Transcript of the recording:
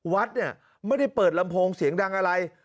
วัดเนี่ยไม่ได้เปิดลำโพงเสียงดังอะไร